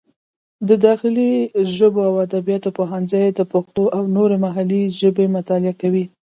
د داخلي ژبو او ادبیاتو پوهنځی د پښتو او نورې محلي ژبې مطالعه کوي.